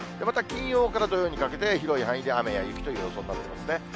また金曜から土曜にかけて、広い範囲で雨や雪という予想になってますね。